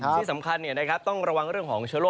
ที่สำคัญต้องระวังเรื่องของเชื้อโรค